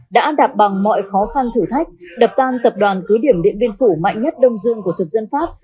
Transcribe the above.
đã đạp bằng mọi khó khăn thử thách đập tan tập đoàn cứ điểm điện biên phủ mạnh nhất đông dương của thực dân pháp